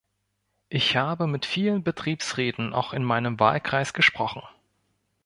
Ich habe mit vielen Betriebsräten auch in meinem Wahlkreis gesprochen.